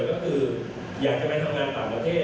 ก็คืออยากจะไปทำงานต่างประเทศ